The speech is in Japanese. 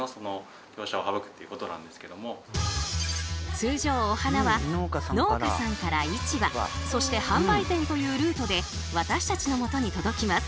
通常お花は農家さんから市場そして販売店というルートで私たちのもとに届きます。